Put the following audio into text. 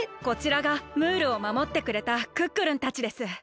こちらがムールをまもってくれたクックルンたちです。